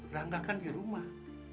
rangga kan di rumah